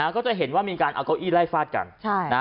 ก็จะเห็นว่ามีการเอาเก้าอี้ไล่ฟาดกัน